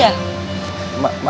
ya tapi aku mau